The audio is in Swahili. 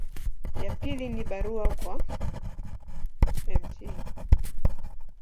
Ya pili ni barua kwa Mt.